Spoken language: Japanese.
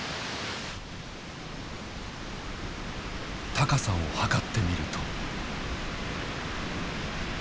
高さを測ってみると。